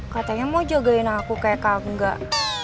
katanya mau jagain aku kayak kagum gak